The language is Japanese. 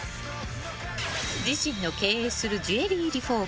自身の経営するジュエリーリフォーム